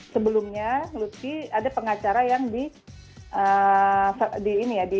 sebelumnya lutfi ada pengacara yang di